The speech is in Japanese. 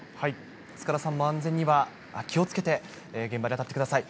塚田さんも安全には気をつけて、現場に当たってください。